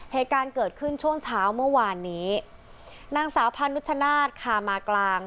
เหตุการณ์เกิดขึ้นช่วงเช้าเมื่อวานนี้นางสาวพานุชชนาธิ์คามากลาง